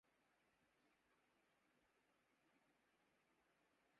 دریائے راوی لاہور کے شمال مغرب میں بہتا ہے